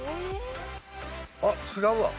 あっ違うわ。